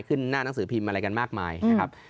หน้าหนังสือพิมพ์อะไรกันมากมายนะครับ